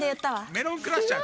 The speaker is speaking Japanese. メロンクラッシャー！